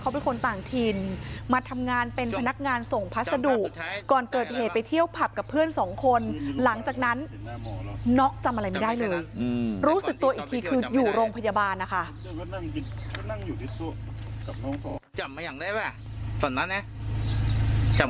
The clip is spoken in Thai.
หลังจากนั้นน็อคจำอะไรไม่ได้เลยรู้สึกตัวอีกทีคืออยู่โรงพยาบาลนะคะ